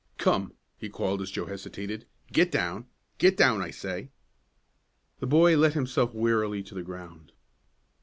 Come," he called, as Joe hesitated, "get down! Get down, I say!" The boy let himself wearily to the ground.